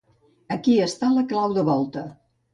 Aquí està la clau de volta.